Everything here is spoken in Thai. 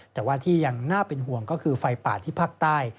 แต่ว่าที่ยังน่าเป็นห่วงก็คือไฟป่าที่ภาคใต้